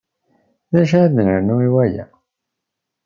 D acu ara ad nernu i waya?